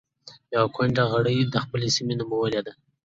يوه ګوندي غړې د خپلې سيمې نومولې ده.